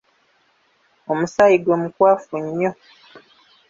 Omusaayi gwe mukwafu nnyo.